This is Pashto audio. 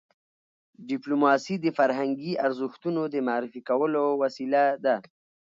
ډيپلوماسي د فرهنګي ارزښتونو د معرفي کولو وسیله ده.